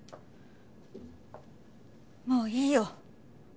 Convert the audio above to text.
もういいよ。